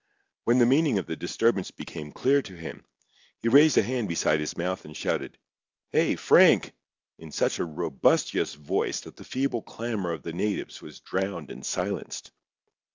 When the meaning of the disturbance became clear to him he placed a hand beside his mouth and shouted: "Hey! Frank!" in such a robustious voice that the feeble clamour of the natives was drowned and silenced.